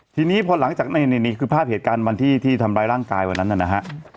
ทีนี้พอหลังจากนี่คือภาพเหตุการณ์วันที่ทำร้ายร่างกายวันนั้นนะฮะ